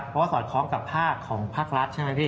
เพราะว่าสอดคล้องกับภาคของภาครัฐใช่ไหมพี่